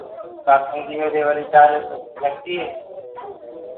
ڪآ کِنگيو دي وري ٽآري ڦوُٽ سڪدي هي۔